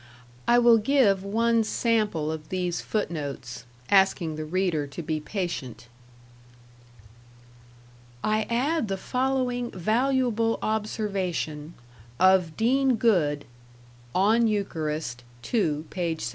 I will give one sample of these footnotes asking the reader to be patient: I add the following valuable observation, of Dean Goode: ("On Eucharist", II p 757.